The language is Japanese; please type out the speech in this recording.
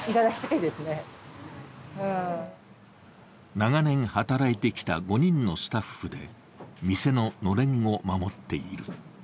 長年働いてきた５人のスタッフで店ののれんを守っている。